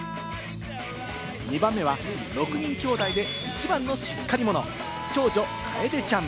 ２番目は６人きょうだいで一番のしっかり者、長女・かえでちゃん。